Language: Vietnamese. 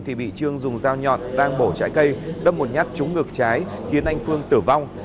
thì bị trương dùng dao nhọn đang đổ trái cây đâm một nhát trúng ngược trái khiến anh phương tử vong